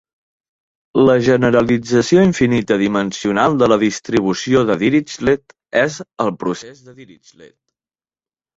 La generalització infinita dimensional de la distribució de Dirichlet és el "procès de Dirichlet".